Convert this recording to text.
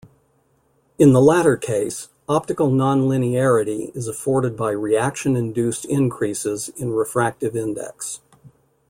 In the latter case, optical nonlinearity is afforded by reaction-induced increases in refractive index.